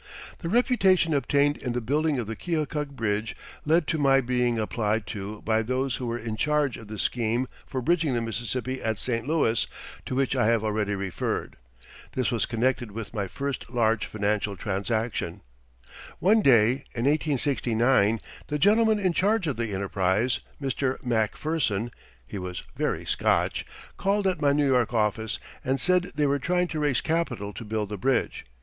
The reputation obtained in the building of the Keokuk bridge led to my being applied to by those who were in charge of the scheme for bridging the Mississippi at St. Louis, to which I have already referred. This was connected with my first large financial transaction. One day in 1869 the gentleman in charge of the enterprise, Mr. Macpherson (he was very Scotch), called at my New York office and said they were trying to raise capital to build the bridge.